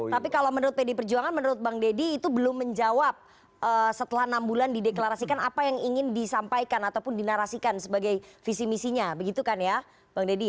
tapi kalau menurut pd perjuangan menurut bang deddy itu belum menjawab setelah enam bulan dideklarasikan apa yang ingin disampaikan ataupun dinarasikan sebagai visi misi yang nanti mungkin dari pks akan disampaikan ke mas hanis